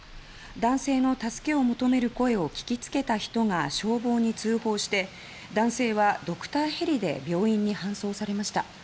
男性の助けを求める声を聞きつけた人が消防に通報して男性はドクターヘリで病院に搬送されました。